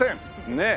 ねえ。